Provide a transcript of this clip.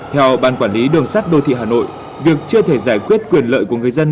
theo ban quản lý đường sắt đô thị hà nội việc chưa thể giải quyết quyền lợi của người dân